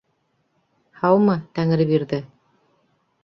Һаумы, Тәңребирҙе!